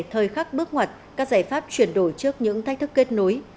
thời khắc bước ngoặt các giải pháp chuyển đổi trước những thách thức kết nối